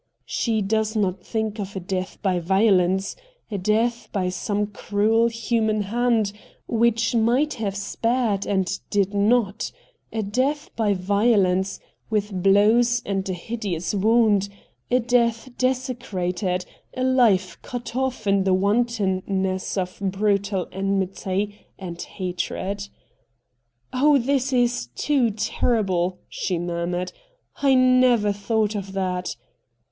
She does not think of a death by violence — a death by some cruel human hand which might have spared and did not ; a death by violence — with blows and a hideous wound — a death desecrated — a hfe cut off in the wantonness of brutal enmity and hatred. ' Oh, this is too terrible,' she murmured. THE CULTURE COLLEGE 189 ^ I never thought of that